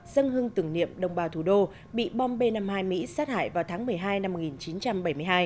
dân hương tưởng niệm đồng bào thủ đô bị bom b năm mươi hai mỹ sát hại vào tháng một mươi hai năm một nghìn chín trăm bảy mươi hai